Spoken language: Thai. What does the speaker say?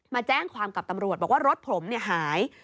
มาแจ้งความกับตำรวจบอกว่ารถผมหาย